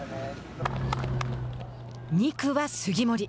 ２区は、杉森。